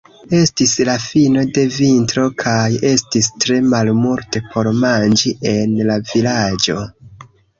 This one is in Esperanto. Estis la fino de vintro kaj estis tre malmulte por manĝi en la vilaĝo.